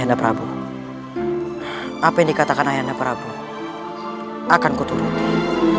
apa yang dikatakan ayanda prabowo akan kuturuti